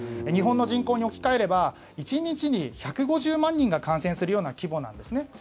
日本の人口に置き換えれば１日に１５０万人が感染するような規模なんですね。